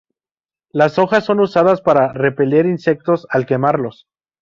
Las hojas son usadas para repeler insectos, al quemarlos.